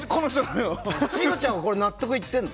信五ちゃんは納得いってるの？